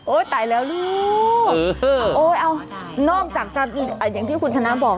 ตายแล้วลูกโอ้ยเอานอกจากจะอย่างที่คุณชนะบอก